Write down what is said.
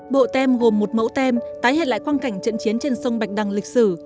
bộ tem gồm một mẫu tem tái hiện lại quan cảnh trận chiến trên sông bạch đằng lịch sử